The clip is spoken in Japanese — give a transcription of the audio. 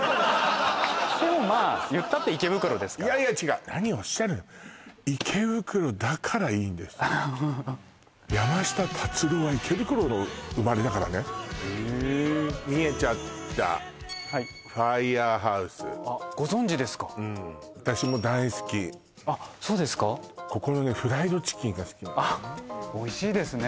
でもまあいったって池袋ですからいやいや違う何をおっしゃる山下達郎は池袋の生まれだからねへえ見えちゃったＦＩＲＥＨＯＵＳＥあご存じですかあっそうですかここのねフライドチキンが好きなのあっおいしいですね